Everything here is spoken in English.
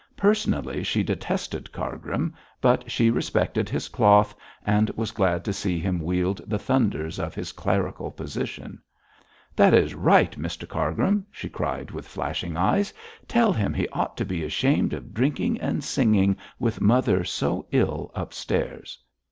Personally she detested Cargrim, but she respected his cloth, and was glad to see him wield the thunders of his clerical position. 'That is right, Mr Cargrim!' she cried with flashing eyes. 'Tell him he ought to be ashamed of drinking and singing with mother so ill upstairs.'